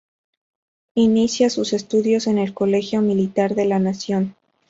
Inicia sus estudios en el Colegio Militar de la Nación.